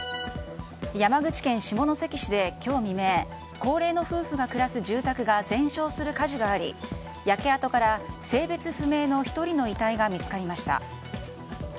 山口県下関市で今日未明高齢の夫婦が暮らす住宅が全焼する火事があり焼け跡から性別不明の１人の遺体が見つかりました。